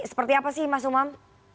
seperti apa sih mas umam